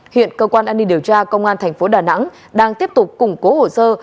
hiện cơ quan an ninh điều tra công an thành phố đà nẵng đang tiếp tục củng cố hồ sơ